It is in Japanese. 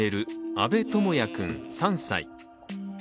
阿部友哉君３歳。